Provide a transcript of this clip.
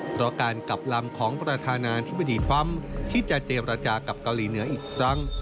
เพราะการกลับลำของประธานาธิบดีทรัมป์ที่จะเจรจากับเกาหลีเหนืออีกครั้ง